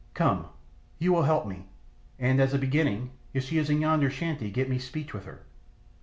Come, you will help me; and, as a beginning, if she is in yonder shanty get me speech with her."